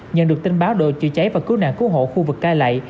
nhận được tin báo đội chữa cháy và cứu nạn cứu hộ khu vực cai lệ